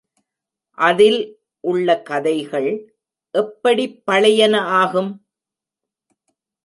அதில் உள்ள கதைகள் எப்படிப் பழையன ஆகும்?